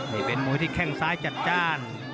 นี่เป็นมวยที่แข้งซ้ายจัดจ้าน